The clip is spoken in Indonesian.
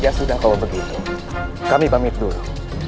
dia sudah kalau begitu kami pamit dulu